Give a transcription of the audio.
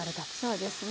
そうですねはい。